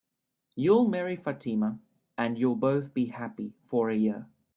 You'll marry Fatima, and you'll both be happy for a year.